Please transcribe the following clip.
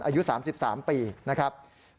อายุ๓๓ปีนะครับ